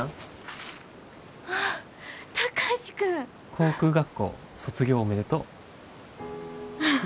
航空学校卒業おめでとう。